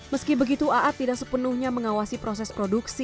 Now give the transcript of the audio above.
meski begitu aad tidak sepenuhnya mengawasi proses produksi